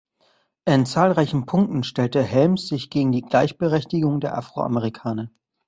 In zahlreichen Punkten stellte Helms sich gegen die Gleichberechtigung der Afroamerikaner.